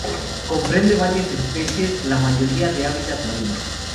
Comprende varias especies, la mayoría de hábitat marino.